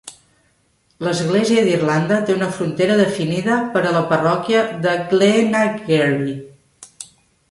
L'Església d'Irlanda té una frontera definida per a la parròquia de Glenageary.